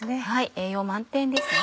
栄養満点ですね。